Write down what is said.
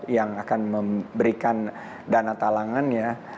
yang akan memberikan dana talangannya